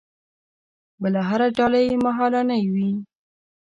بله هره ډالۍ مهالنۍ وي.